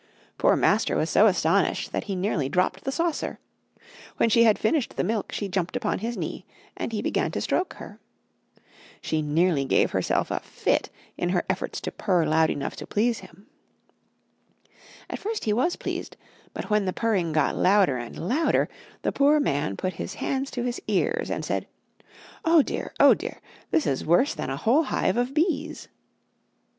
Poor master was so astonished that he nearly dropped the saucer. When she had finished the milk, she jumped upon his knee, and he began to stroke her. She nearly gave herself a fit in her efforts to purr loud enough to please him. At first he was pleased, but when the purring got louder and louder, the poor man put his hands to his ears and said, "Oh dear! oh dear! this is worse than a whole hive of bees."